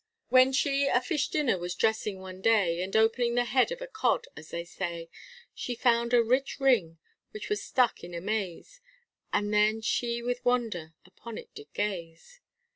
When she a fish dinner was dressing one day, And opening the head of a Cod, as they say, She found a rich ring, and was struck in amaze, And then she with wonder upon it did gaze.